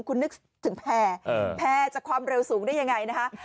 คุณนึกถึงแพร่แพร่จากความเร็วสูงได้ยังไงนะคะ